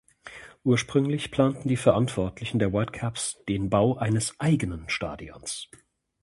Ursprünglich planten die Verantwortlichen der Whitecaps den Bau eines eigenen Stadions.